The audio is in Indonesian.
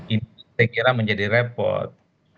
ini saya kira menjadi repot